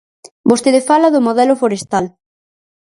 Vostede fala do modelo forestal.